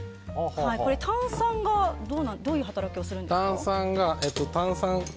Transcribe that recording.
炭酸がどんな働きをするんですか？